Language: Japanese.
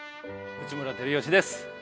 内村光良です。